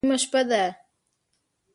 _نيمه شپه ده.